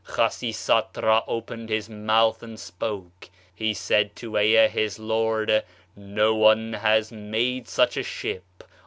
Khasisatra opened his mouth and spoke; he said to Ea, his lord: "No one has made [such a] ship.